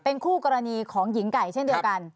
คู่กรณีของหญิงไก่เช่นเดียวกัน